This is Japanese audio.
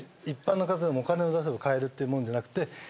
一般の方でもお金を出せば買えるってもんじゃなくて。